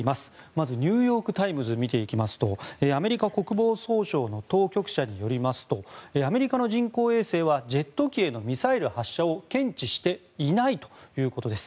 まずニューヨーク・タイムズ見ていきますとアメリカ国防総省の当局者によりますとアメリカの人工衛星はジェット機へのミサイル発射を検知していないということです。